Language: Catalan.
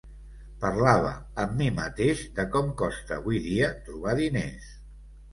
Parlava amb mi mateix de com costa avui dia trobar diners.